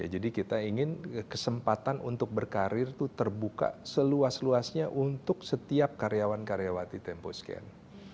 jadi kita ingin kesempatan untuk berkarir itu terbuka seluas luasnya untuk setiap karyawan karyawati temposcan